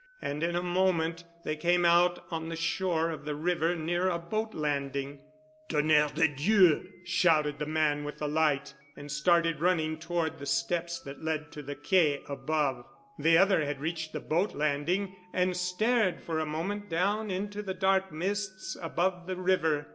And in a moment they came out on the shore of the river near a boat landing. "Tonnerre de Dieu!" shouted the man with the light, and started running toward the steps that led to the Quai above. The other had reached the boat landing and stared for a moment down into the dark mists above the river.